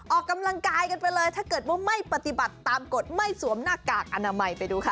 ออกกำลังกายกันไปเลยถ้าเกิดว่าไม่ปฏิบัติตามกฎไม่สวมหน้ากากอนามัยไปดูค่ะ